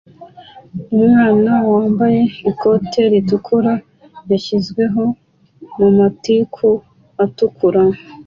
Umwana wambaye ikote ritukura yashyizwe mu matiku atukura